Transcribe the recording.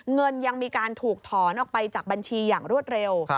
เงินยังมีการถูกถอนออกไปจากบัญชีอย่างรวดเร็ว